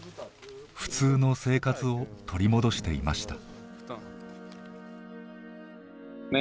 普通の生活を取り戻していました。